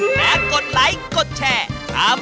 และกดไลค์กดแชร์